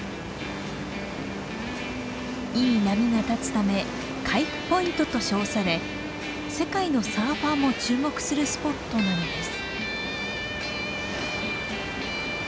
いい波が立つため「カイフポイント」と称され世界のサーファーも注目するスポットなのです。